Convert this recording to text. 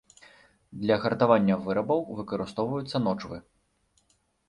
Для гартавання вырабаў выкарыстоўваюцца ночвы.